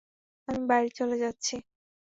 আমি বাড়ি চলে যাচ্ছি।